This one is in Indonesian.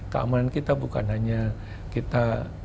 keamanan kita bukan hanya kita